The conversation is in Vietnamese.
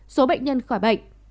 số bệnh nhân khỏi bệnh